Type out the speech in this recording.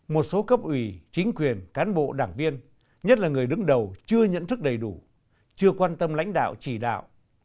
một số cấp ủy chính quyền cán bộ đảng viên nhất là người đứng đầu chưa nhận thức đầy đủ chưa quan tâm lãnh đạo chỉ đạo